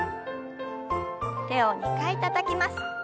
手を２回たたきます。